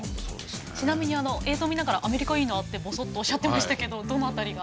ちなみに映像を見ながらアメリカいいなってぼそっとおっしゃってましたけどどの辺りが？